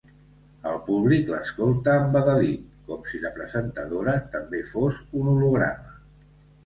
El públic l'escolta embadalit, com si la presentadora també fos un holograma.